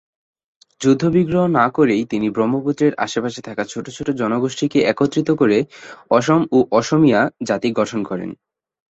যুদ্ধ-বিগ্রহ না করেই তিনি ব্রহ্মপুত্রের আশে-পাশে থাকা ছোট ছোট জনগোষ্ঠীকে একত্রিত করে অসম ও অসমীয়া জাতি গঠন করেন।